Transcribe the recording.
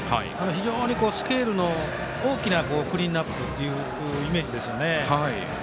非常にスケールの大きなクリーンアップというイメージですよね。